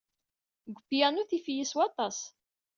Deg upyanu, tif-iyi s waṭas.